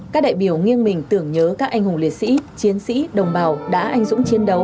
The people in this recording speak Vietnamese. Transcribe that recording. các đại biểu nghiêng mình tưởng nhớ các anh hùng liệt sĩ chiến sĩ đồng bào đã anh dũng chiến đấu